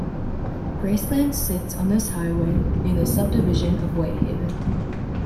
Graceland sits on this highway, in the subdivision of Whitehaven.